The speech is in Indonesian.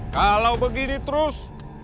kalau begini terus